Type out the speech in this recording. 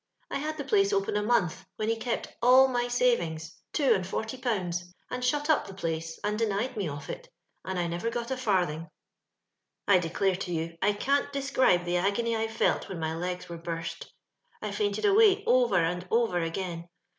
I had tho place open a month, when lie kept all my savings — two and forty pounds — and shut up tbo place, and douied me of it, and I never got a t'artliinK. " I declare to you I can't describe the agony I felt when my legs were burst ; I fainted away over and over again.